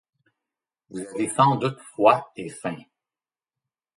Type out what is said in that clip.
Vous avez sans doute froid et faim.